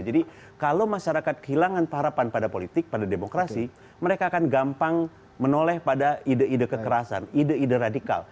jadi kalau masyarakat kehilangan harapan pada politik pada demokrasi mereka akan gampang menoleh pada ide ide kekerasan ide ide radikal